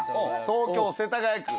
東京・世田谷区。